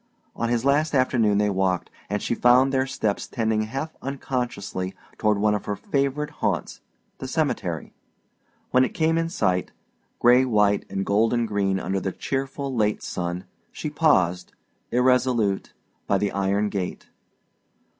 On his last afternoon they walked, and she found their steps tending half unconsciously toward one of her favorite haunts, the cemetery. When it came in sight, gray white and golden green under the cheerful late sun, she paused, irresolute, by the iron gate.